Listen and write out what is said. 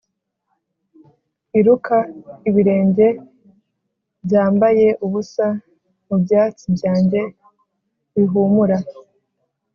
iruka, ibirenge byambaye ubusa! mu byatsi byanjye bihumura